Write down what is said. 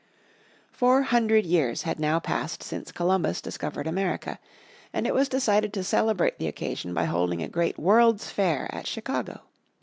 Four hundred years had now passed since Columbus discovered America, and it was decided to celebrate the occasion by holding a great World's Fair at Chicago.